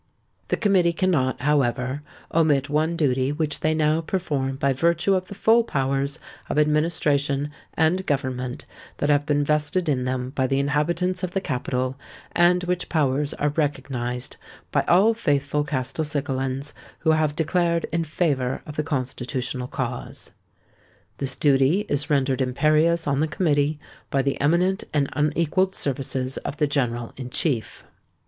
"The Committee cannot, however, omit one duty which they now perform by virtue of the full powers of administration and government that have been vested in them by the inhabitants of the capital, and which powers are recognised by all faithful Castelcicalans who have declared in favour of the Constitutional cause. "This duty is rendered imperious on the Committee by the eminent and unequalled services of the General in Chief.